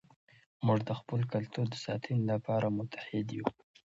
موږ د خپل کلتور د ساتنې لپاره متحد یو.